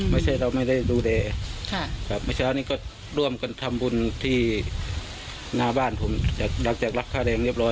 ไม่ใช่แล้วนี่ก็ร่วมกันทำบุญที่หน้าบ้านผมจากรักษาเรียนเรียบร้อย